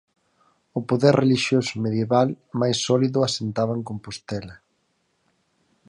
O poder relixioso medieval máis sólido asentaba en Compostela.